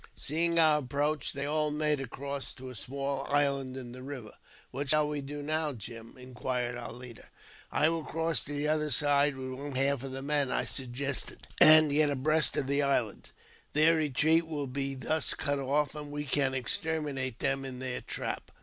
Seeing our approach, they all made across to a small island in the river. " What shall we do now, Jim? " inquired our leader. "I will cross to the other side with one half the men," I suggested, " and get abreast of the island. Their retreat will be thus cut off, and we can exterminate them in their trap."